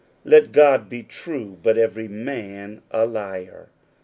" Let God be true, but every man a liar."